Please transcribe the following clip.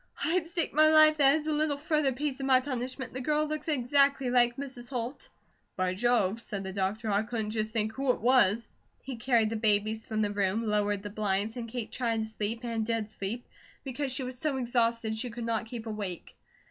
"I'd stake my life that as a little further piece of my punishment, the girl looks exactly like Mrs. Holt." "By Jove," said the doctor, "I couldn't just think who it was." He carried the babies from the room, lowered the blinds, and Kate tried to sleep, and did sleep, because she was so exhausted she could not keep awake.